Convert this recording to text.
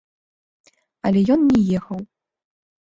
Але ён не ехаў.